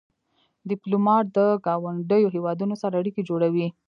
ډيپلومات د ګاونډیو هېوادونو سره اړیکې جوړوي.